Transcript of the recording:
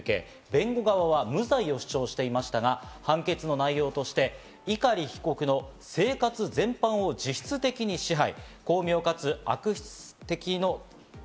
弁護側は無罪を主張していましたが、判決の内容として碇被告の生活全般を実質的に支配。